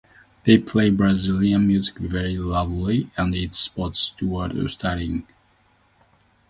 They play Brazilian music very loudly and it stops Stewart studying.